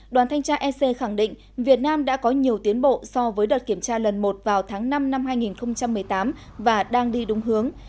đoàn thanh tra ec khẳng định việt nam đã có nhiều tiến bộ so với đợt kiểm tra lần một vào tháng năm năm hai nghìn một mươi tám và đang đi đúng hướng